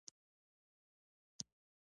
آیا پښتون میلمه تر دروازې پورې بدرګه نه کوي؟